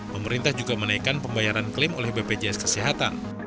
pemerintah juga menaikkan pembayaran klaim oleh bpjs kesehatan